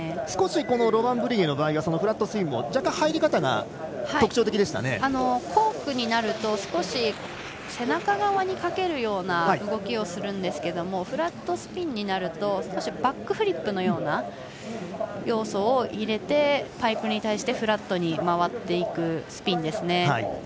少しロバン・ブリゲの場合フラットスピンもコークになると少し背中側にかけるような動きをするんですけどフラットスピンになると少しバックフリップのような要素を入れてパイプに対してフラットに回っていくスピンですね。